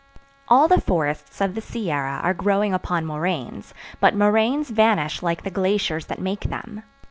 All the forests of the Sierra are growing upon moraines, but moraines vanish like the glaciers that make them.